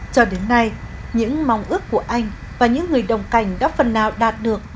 cho đến nay những mong ước của anh và những người đồng cảnh đã phần nào đạt được